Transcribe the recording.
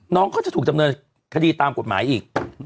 น้องเขาจะถูกดำเนินคดีตามกฎหมายอีก